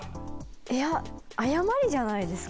いや誤りじゃないですか？